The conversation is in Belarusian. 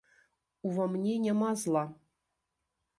Ува мне няма зла.